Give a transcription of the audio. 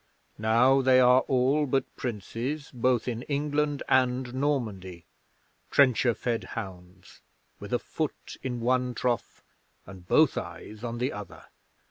Now they are all but princes both in England and Normandy trencher fed hounds, with a foot in one trough and both eyes on the other!